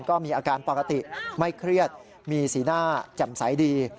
ก็มีอาการปกติไม่เครียดมีสีหน้าแจ่มใสดี